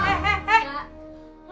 uci jangan begitu dong